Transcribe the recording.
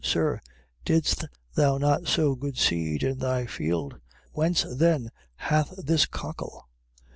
Sir, didst thou not sow good seed in thy field? Whence then hath it cockle?